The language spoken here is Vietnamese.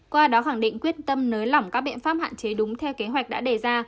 qua đó khẳng định quyết tâm nới lỏng các biện pháp hạn chế đúng theo kế hoạch đã đề ra